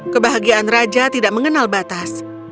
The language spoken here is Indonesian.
kebahagiaan raja tidak mengenal batas